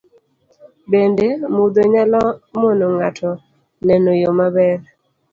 Bende, mudho nyalo mono ng'ato neno yo maber